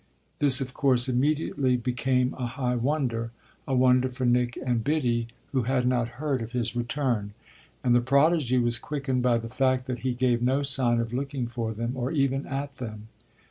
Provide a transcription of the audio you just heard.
This of course immediately became a high wonder a wonder for Nick and Biddy, who had not heard of his return; and the prodigy was quickened by the fact that he gave no sign of looking for them or even at them.